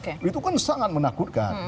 dan sebagainya itu kan sangat menakutkan